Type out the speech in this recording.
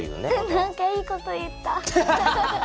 何かいい事言った。